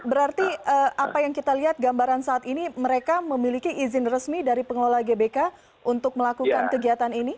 berarti apa yang kita lihat gambaran saat ini mereka memiliki izin resmi dari pengelola gbk untuk melakukan kegiatan ini